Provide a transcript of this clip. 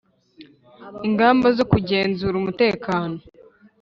ingamba zo kugenzura umutekano